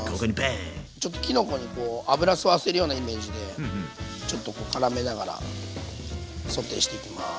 ちょっときのこに油吸わせるようなイメージでちょっとからめながらソテーしていきます。